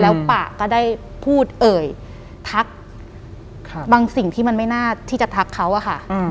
แล้วป่าก็ได้พูดเอ่ยทักบางสิ่งที่มันไม่น่าที่จะทักเขาอะค่ะ